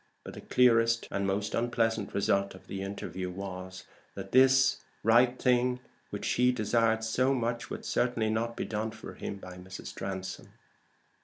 But the clearest and most unpleasant result of the interview was, that this right thing which he desired so much would certainly not be done for him by Mrs. Transome.